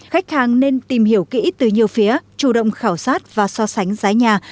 khách hàng nên tìm hiểu kỹ từ nhiều phía chủ động khảo sát và so sánh giá nhà